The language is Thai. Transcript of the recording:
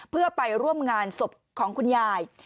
เพื่อไปร่วมงานศพของคุณยาย